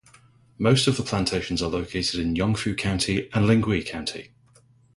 Most of the plantations are located in Yongfu County and Lingui County.